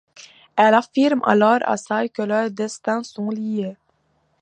Elle affirme alors à Sai que leurs destins sont liés.